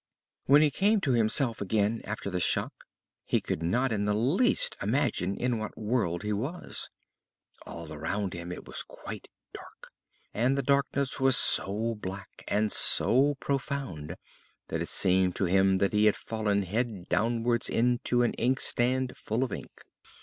When he came to himself again after the shock he could not in the least imagine in what world he was. All around him it was quite dark, and the darkness was so black and so profound that it seemed to him that he had fallen head downwards into an inkstand full of ink.